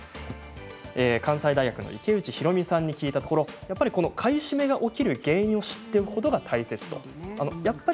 関西大学の池内裕美さんに聞いたところ買い占めが起きる原理を知っておくことが大切とのことでした。